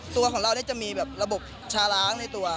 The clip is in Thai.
ตัวของเราเนี่ยจะมีระบบชาล้างในตัว